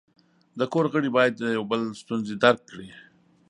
د کور غړي باید د یو بل ستونزې درک کړي.